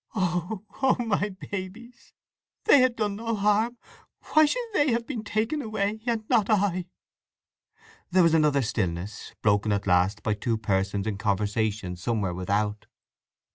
"Oh, oh my babies! They had done no harm! Why should they have been taken away, and not I!" There was another stillness—broken at last by two persons in conversation somewhere without.